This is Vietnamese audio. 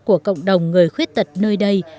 của cộng đồng người khuyết tật nơi đây